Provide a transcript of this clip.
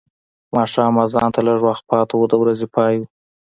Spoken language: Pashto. ماښام اذان ته لږ وخت پاتې و د ورځې پای و.